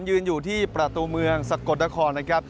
ยืนอยู่ที่ประตูเมืองสกรณคร